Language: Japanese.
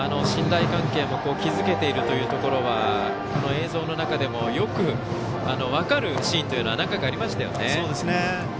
信頼関係も築けているというところは映像の中でもよく分かるシーンというのは何回かありましたよね。